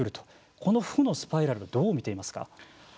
この負のスパイラルをどう見ていますか。